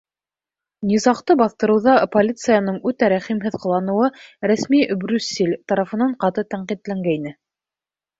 Низағты баҫтырыуҙа полицияның үтә рәхимһеҙ ҡыланыуы рәсми Брюссель тарафынан ҡаты тәнҡитләнгәйне.